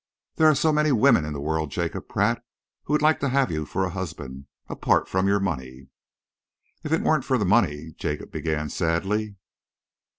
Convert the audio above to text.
There are so many women in the world, Jacob Pratt, who would like to have you for a husband, apart from your money." "If it weren't for the money " Jacob began sadly.